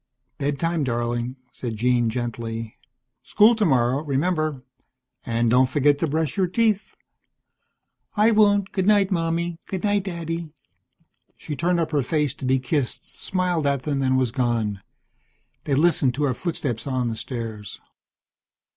"Bed time, darling," said Jean gently. "School tomorrow, remember? And don't forget to brush your teeth." "I won't. Goodnight, Mommy, goodnight, Daddy." She turned up her face to be kissed, smiled at them, and was gone. They listened to her footsteps on the stairs.